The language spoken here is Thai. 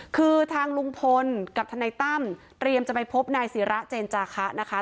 คือทางลุงพลกับทนายตั้มเตรียมจะไปพบนายศิระเจนจาคะนะคะ